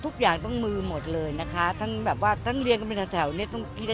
ทุกอย่างต้องมือหมดเลยนะคะทั้งเรียงเป็นแถวของกิน